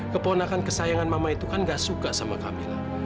keponakan kesayangan mama itu kan gak suka sama kamila